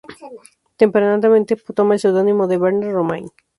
Tempranamente, toma el seudónimo de Bernard Romain.